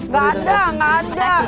gak ada gak ada